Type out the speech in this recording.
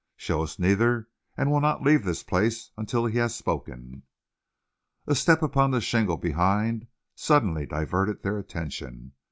Show us neither, and we'll not leave this place until he has spoken." A step upon the shingle behind suddenly diverted their attention.